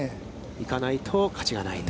行かないと、勝ちがないと。